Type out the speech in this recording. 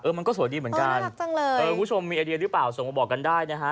มันก็สวยดีเหมือนกันคุณผู้ชมมีไอเดียหรือเปล่าส่งมาบอกกันได้นะฮะ